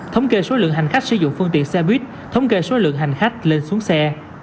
thống kê số lượng hành khách sử dụng phương tiện xe buýt thống kê số lượng hành khách lên xuống xe